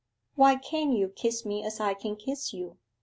'Why can't you kiss me as I can kiss you?